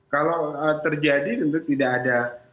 kalau terjadi tentu tidak ada